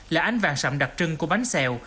là ánh vàng sạm đặc trưng của bánh xèo